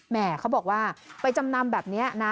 เขาบอกว่าไปจำนำแบบนี้นะ